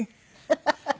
ハハハハ。